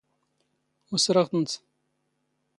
ⵓⵙⵔⵖ ⵜⵏⵜ.